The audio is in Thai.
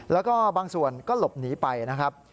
แล้วก็บางส่วนก็หลบหนีไปนะครับ